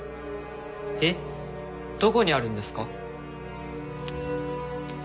えっどこにあるんですか？